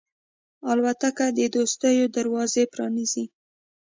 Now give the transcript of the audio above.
الوتکه د دوستیو دروازې پرانیزي.